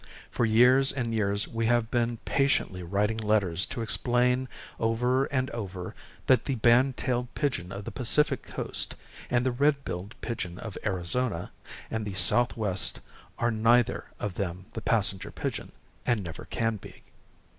For years and years we have been patiently writing letters to explain over and over that the band tailed pigeon of the Pacific coast, and the red billed pigeon of Arizona and the southwest are neither of them the passenger pigeon, and never can be.